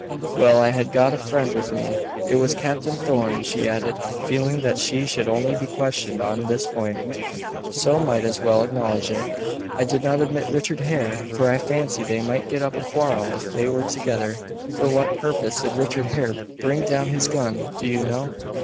"Well, I had got a friend with me it was Captain Thorn," she added, feeling that she should only be questioned on this point, so might as well acknowledge it. "I did not admit Richard Hare, for I fancied they might get up a quarrel if they were together." "For what purpose did Richard Hare bring down his gun do you know?"